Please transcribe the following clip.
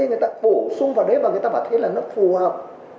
người ta bổ sung vào đấy và người ta bảo thấy là nó phù hợp